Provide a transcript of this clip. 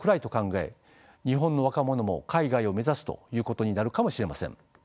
日本の若者も海外を目指すということになるかもしれません。